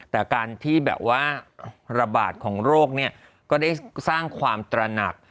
แต่การที่แบบว่าระบาดของโรคเนี่ยก็ได้สร้างความตระหนัก